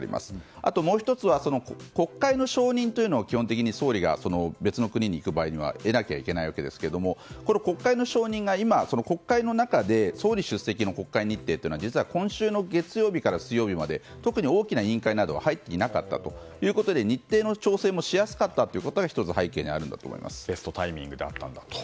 あと、もう１つは国会の承認を基本的に総理が別の国に行く場合は得ないといけないんですが国会の承認が今、国会の中で総理出席の国会日程は実は今週の月曜日から水曜日まで特に大きな委員会などは入っていなかったということで日程の調整もしやすかったというのがベストタイミングだったと。